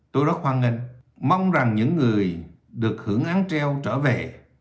tôi rất hoan nghênh mong rằng những người được hưởng án treo trở về